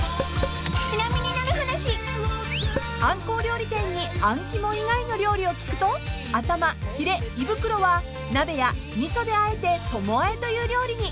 ［アンコウ料理店にあん肝以外の料理を聞くと頭ヒレ胃袋は鍋や味噌であえてとも和えという料理に］